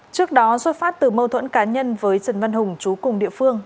trước đó xuất phát từ mâu thuẫn cá nhân với trần văn hùng chú cùng địa phương